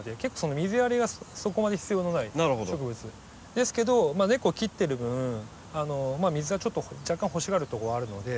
ですけど根っこを切ってる分水はちょっと若干欲しがるとこはあるので。